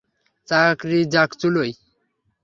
চাকরি যাক চুলোয়।